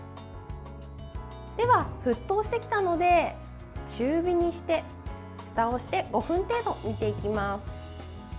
では、沸騰してきたので中火にして、ふたをして５分程度、煮ていきます。